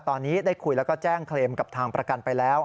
ตอนนี้ได้คุยแล้วก็แจ้งเคลมกับทางประกันไปแล้ว